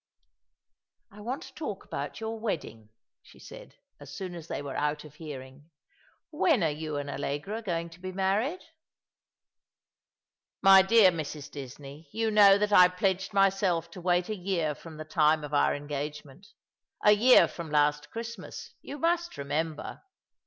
" I want to talk about your wedding," she said, as soon as they were out of hearing. "When are you and Allegra going to be married ?"" My dear Mrs. Disney, you know that I pledged myself to wait a year from the time of our engagement — a year from last Christmas— you must remember.